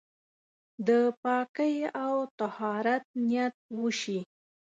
د پاکۍ او طهارت نيت وشي.